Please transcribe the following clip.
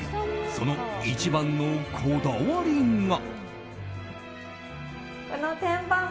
その一番のこだわりが。